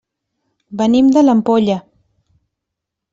Venim de l'Ampolla.